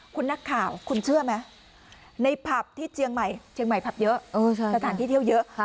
คุณนักข่าวคุณเชื่อไหมในผับที่เชียงใหม่เชียงใหม่ผับเยอะสถานที่เที่ยวเยอะ